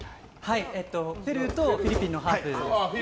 ペルーとフィリピンのハーフです。